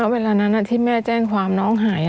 เวลานั้นที่แม่แจ้งความน้องหาย